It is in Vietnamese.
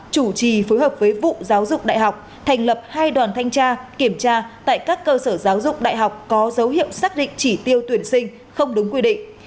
chủ trì phối hợp với vụ giáo dục đại học thành lập hai đoàn thanh tra kiểm tra tại các cơ sở giáo dục đại học có dấu hiệu xác định chỉ tiêu tuyển sinh không đúng quy định